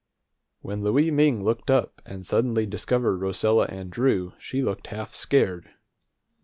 When Louie Ming looked up, and suddenly discovered Rosella and Drew, she looked half scared.